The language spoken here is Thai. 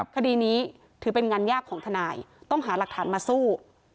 คดีนี้ถือเป็นงานยากของทนายต้องหาหลักฐานมาสู้